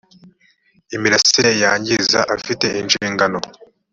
imirasire yangiza afite inshingano